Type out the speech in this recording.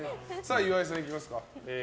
岩井さん、いきますか。